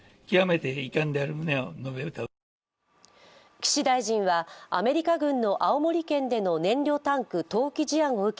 岸大臣はアメリカ軍の青森県での燃料タンク投棄事件を受け